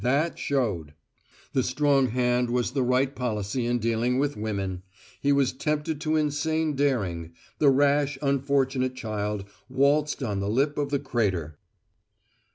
That showed! The strong hand was the right policy in dealing with women. He was tempted to insane daring: the rash, unfortunate child waltzed on the lip of the crater.